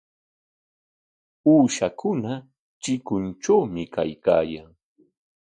Uushakuna chikuntrawmi kaykaayan.